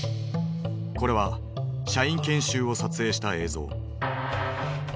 これは社員研修を撮影した映像。